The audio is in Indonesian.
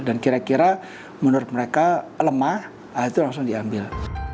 dan kira kira menurut mereka lemah itu langsung diambil